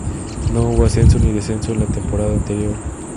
No hubo ascenso ni descenso en la temporada anterior.